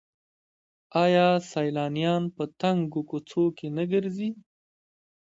آیا سیلانیان په تنګو کوڅو کې نه ګرځي؟